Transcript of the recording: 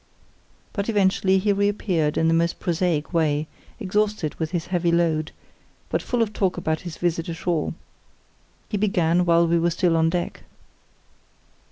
But eventually he reappeared in the most prosaic way, exhausted with his heavy load, but full of talk about his visit ashore. He began while we were still on deck.